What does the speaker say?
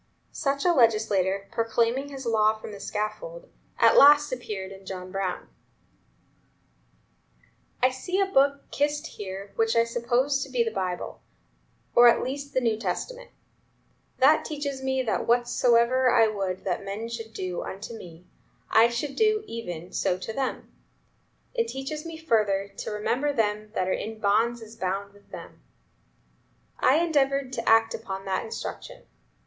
Such a legislator, proclaiming his law from the scaffold, at last appeared in John Brown: "I see a book kissed here which I suppose to be the Bible, or at least the New Testament. That teaches me that 'whatsoever I would that men should do unto me, I should do even so to them.' It teaches me further to 'remember them that are in bonds as bound with them.' I endeavored to act up to that instruction.